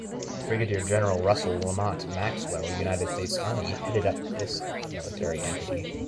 Brigadier General Russell Lamont Maxwell, United States Army, headed up this military entity.